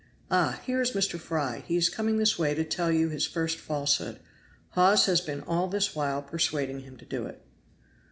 Ah! here is Mr. Fry, he is coming this way to tell you his first falsehood. Hawes has been all this while persuading him to it."